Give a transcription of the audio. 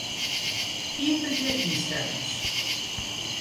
Iepenje ynstellings.